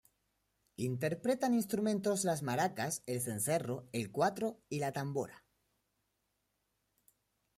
Interpretan instrumentos las maracas, el cencerro, el cuatro y la tambora.